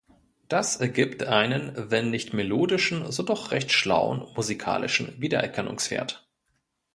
Das ergibt einen, wenn nicht melodischen so doch recht schlauen, musikalischen Wiedererkennungswert.